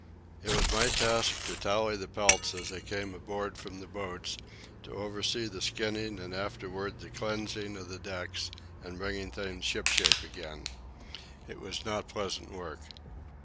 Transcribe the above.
It was my task to tally the pelts as they came aboard from the boats, to oversee the skinning and afterward the cleansing of the decks and bringing things ship shape again. It was not pleasant work.